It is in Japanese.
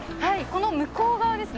この向こう側ですね。